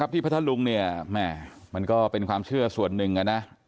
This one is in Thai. ที่พระท่านลุงเนี่ยแม่มันก็เป็นความเชื่อส่วนหนึ่งอ่ะนะ